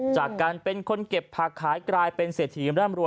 จากการเป็นคนเก็บผักขายกลายเป็นเศรษฐีร่ำรวย